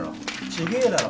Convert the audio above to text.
違えだろ。